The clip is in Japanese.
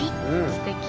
すてき。